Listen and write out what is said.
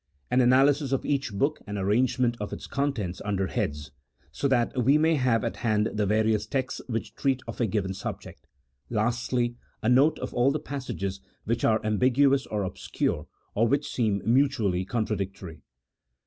An analysis of each book and arrangement of its contents under heads ; so that we may have at hand the various texts which treat of a given subject. Lastly, a note of all the passages which are ambiguous or obscure, or which seem mutually contradictory.